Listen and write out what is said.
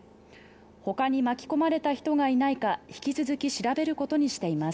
ほかに巻き込まれた人がいないか引き続き調べることにしています